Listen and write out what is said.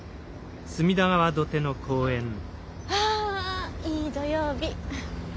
あいい土曜日。